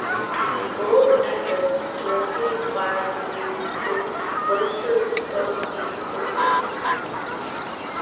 Bull's efforts directly inspired Grieg to look for folk musical sources.